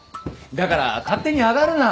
だから勝手に上がるな。